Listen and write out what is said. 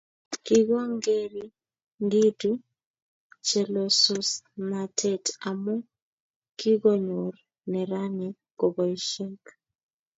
Kikongeringitu chelososnatet amu kikonyor neranik boisioshek